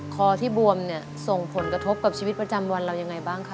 คอที่บวมเนี่ยส่งผลกระทบกับชีวิตประจำวันเรายังไงบ้างคะ